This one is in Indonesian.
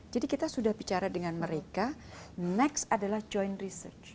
jadi kita sudah bicara dengan mereka next adalah joint research